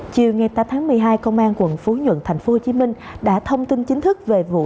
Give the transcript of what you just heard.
chiều ngày tám tháng một mươi hai công an quận phú nhuận tp hcm đã thông tin chính thức